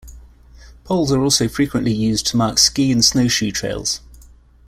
Poles are also frequently used to mark ski and snow shoe trails.